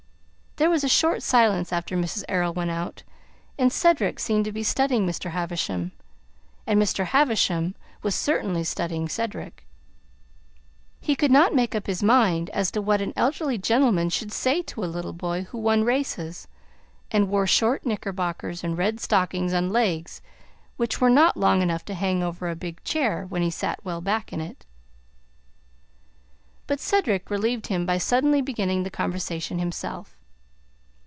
There was a short silence after Mrs. Errol went out, and Cedric seemed to be studying Mr. Havisham, and Mr. Havisham was certainly studying Cedric. He could not make up his mind as to what an elderly gentleman should say to a little boy who won races, and wore short knickerbockers and red stockings on legs which were not long enough to hang over a big chair when he sat well back in it. But Cedric relieved him by suddenly beginning the conversation himself.